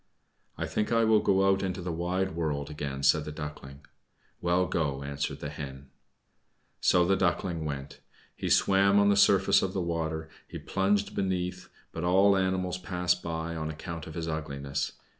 "I think I will go out into the wide world again," said the Duckling. "Well, go," answered the Hen. So the Duckling went. He swam on the surface of the water, he plunged beneath, but all animals passed him by, on account of his ugliness.